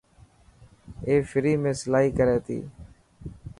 اي فري ۾ سلائي ڪري تي؟